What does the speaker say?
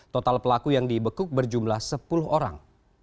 total pelaku yang dibekuk berjumlah sepuluh orang